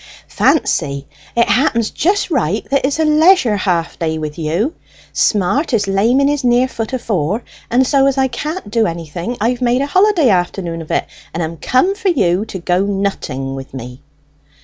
"Fancy! it happens just right that it is a leisure half day with you. Smart is lame in his near foot afore, and so, as I can't do anything, I've made a holiday afternoon of it, and am come for you to go nutting with me!"